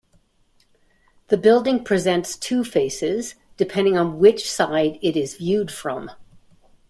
The building presents two faces, depending on which side it is viewed from.